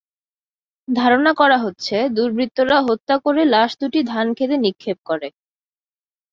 ধারণা করা হচ্ছে, দুর্বৃত্তরা হত্যা করে লাশ দুটি ধানখেতে নিক্ষেপ করে।